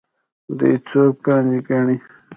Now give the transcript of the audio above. دې څوکۍ باندې کېنئ.